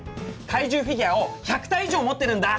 怪獣フィギュアを１００体以上持ってるんだ！